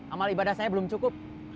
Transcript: amal ibadah saya belum cukup